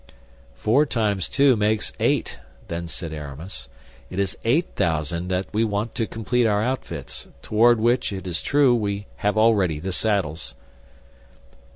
"Four times two makes eight," then said Aramis; "it is eight thousand that we want to complete our outfits, toward which, it is true, we have already the saddles."